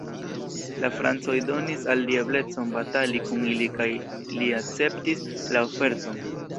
La Francoj donis al li eblecon batali kun ili kaj li akceptis la oferton.